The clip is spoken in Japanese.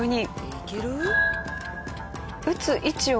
いける？